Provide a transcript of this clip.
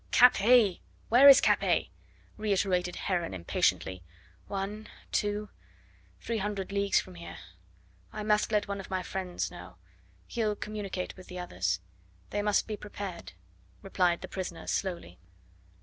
"Capet? where is Capet?" reiterated Heron impatiently. "One two three hundred leagues from here. I must let one of my friends know; he'll communicate with the others; they must be prepared," replied the prisoner slowly.